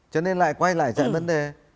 cho nên lại quay lại chạy vấn đề